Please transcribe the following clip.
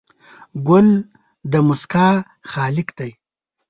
ګل د موسکا خالق دی.